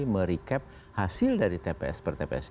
merecap hasil dari tps per tps